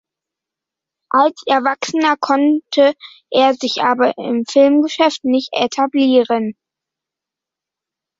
Als Erwachsener konnte er sich aber im Filmgeschäft nicht etablieren.